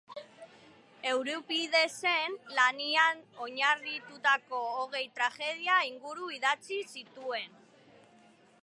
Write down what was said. Euripidesen lanetan oinarritutako hogei tragedia inguru idatzi zituen.